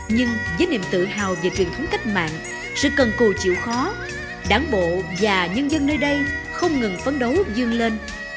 nhưng với niềm tự hào về truyền thống cách mạng sự cần cù chịu khó đảng bộ và nhân dân nơi đây không ngừng phấn đấu dương lên